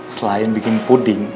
selain bikin puding